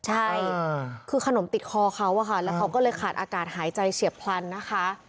ใช่คือขนมติดคอเขาอะค่ะแล้วเขาก็เลยขาดอากาศหายใจเฉียบพลันนะคะ